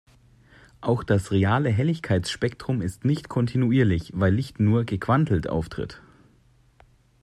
Auch das reale Helligkeitsspektrum ist nicht kontinuierlich, weil Licht nur gequantelt auftritt.